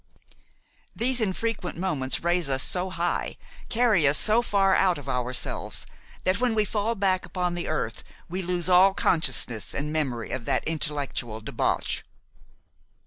These infrequent moments raise us so high, carry us so far out of ourselves, that when we fall back upon the earth we lose all consciousness and memory of that intellectual debauch.